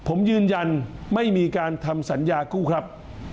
ผมยืนยันไม่มีการทำสัญญากู้ครับ